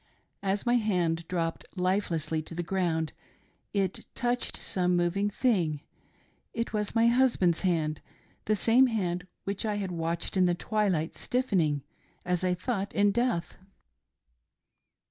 As my hand dropped lifelessly to the ground it touched some moving thing — it was my husband's hand — the same hand which I had watched in the twilight, stiffening, as I thought, in death.